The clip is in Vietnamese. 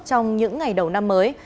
trong những ngày đầu năm mới